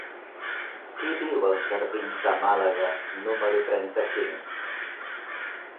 Qui viu als jardins de Màlaga número trenta-cinc?